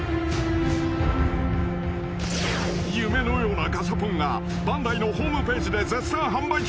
［夢のようなガシャポンがバンダイのホームページで絶賛販売中］